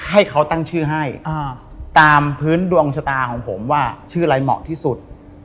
ให้เขาตั้งชื่อให้ตามพื้นดวงชะตาของผมว่าชื่ออะไรเหมาะที่สุด